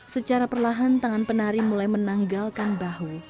secara perlahan tangan penari mulai menanggalkan bahu